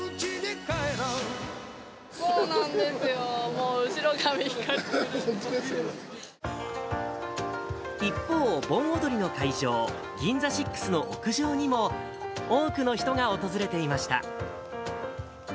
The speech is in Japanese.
そうなんですよ、もう後ろ髪一方、盆踊りの会場、ギンザシックスの屋上にも、多くの人が訪れていました。